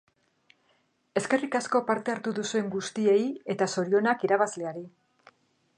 Eskerrik asko parte hartu duzuen guztiei eta zorionak irabazleari!